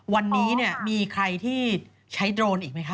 วันนี้เนี่ยมีใครที่ใช้โดรนอีกไหมคะ